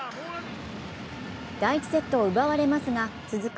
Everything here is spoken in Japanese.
第１セットを奪われますが続く